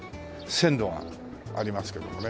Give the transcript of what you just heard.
線路がありますけどもね。